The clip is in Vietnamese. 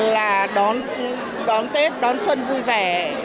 là đón tết đón xuân vui vẻ